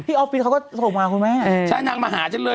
ออฟฟิศเขาก็ส่งมาคุณแม่ใช่นางมาหาฉันเลย